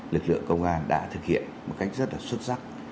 lực lượng công an đã thực hiện một cách rất là xuất sắc